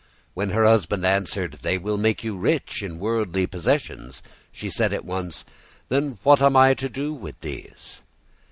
When her husband answered, "They will make you rich in worldly possessions," she said at once, "then what am I to do with these?"